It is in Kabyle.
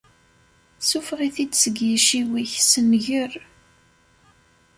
Ssufeɣ-it-id seg yiciwi-k, ssenger!